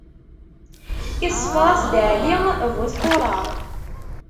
Iṣeffer-as-d Ɛli bu tquṛaṛ.